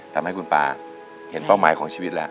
ทำให้คุณป่าเห็นเป้าหมายของชีวิตแล้ว